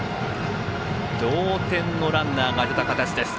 同点のランナーが出た形です。